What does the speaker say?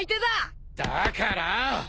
だから！